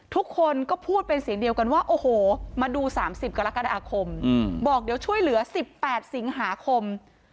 ทุกคนก็พูดเป็นเสียงเดียวกันว่าโอ้โหมาดู๓๐กรกฎาคมบอกเดี๋ยวช่วยเหลือ๑๘สิงหาคม